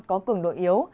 có cường độ yếu